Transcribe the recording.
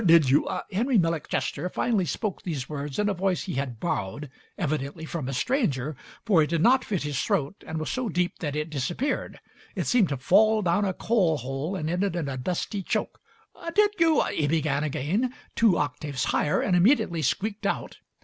"Did you " Henry Millick Chester finally spoke these words in a voice he had borrowed, evidently from a stranger, for it did not fit his Digitized by Google MARY SMITH 155 throat and was so deep that it disappeared — it seemed to fall down a coal hole and ended in a dusty choke. "Did you " he began again, two oc taves higher, and immediately squeaked out.